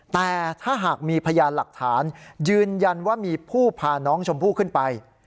แต่ถ้าหากมีพยานหลักฐานยืนยันว่ามีผู้พาน้องชมพู่ขึ้นไป